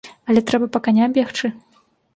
Але трэба па каня бегчы.